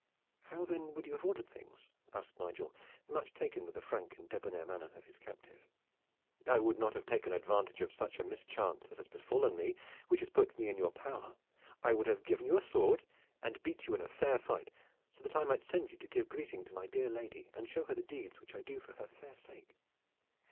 "How then would you have ordered things?" asked Nigel, much taken with the frank and debonair manner of his captive. "I would not have taken advantage of such a mischance as has befallen me which has put me in your power. I would give you a sword and beat you in fair fight, so that I might send you to give greeting to my dear lady and show her the deeds which I do for her fair sake."